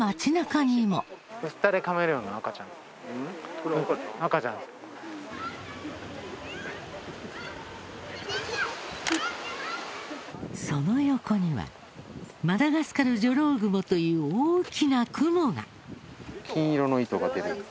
ほぼ中心に位置するその横にはマダガスカルジョロウグモという大きなクモが。